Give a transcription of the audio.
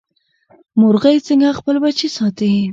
مورغۍ څنګه خپل بچي ساتي؟